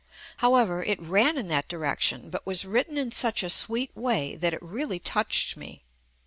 However, it ran in that direction but was written in such a sweet way that it really touched me.